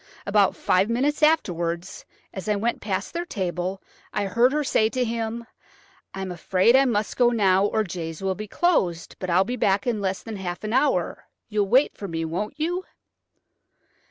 About five minutes afterwards, as I went past their table, I heard her say to him. 'I am afraid I must go now, or Jay's will be closed, but I'll be back in less than half an hour. You'll wait for me, won't you?'"